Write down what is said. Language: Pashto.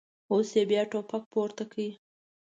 اوس یې بیا ټوپک پورته کړی.